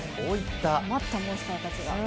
困ったモンスターたちが。